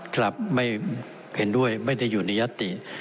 ครับไม่เห็นด้วยไม่ได้อยู่ในยัตติ